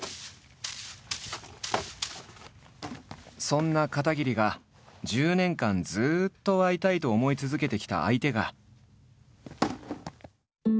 そんな片桐が１０年間ずっと会いたいと思い続けてきた相手が。